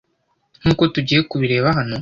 nkuko tugiye kubireba hano